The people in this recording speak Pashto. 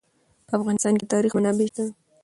په افغانستان کې د تاریخ منابع شته.